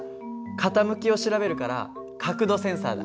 傾きを調べるから角度センサーだ。